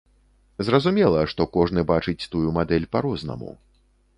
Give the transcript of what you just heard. Зразумела, што кожны бачыць тую мадэль па-рознаму.